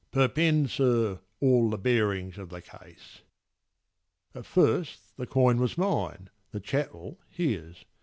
Perpend, sir, all the bearings of the case. At first the coin was mine, the chattel his.